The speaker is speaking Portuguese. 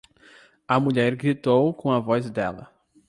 A mulher gritou com a voz dela.